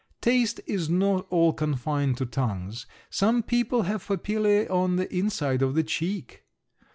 Taste is not all confined to tongues. Some people have papillæ on the inside of the cheek.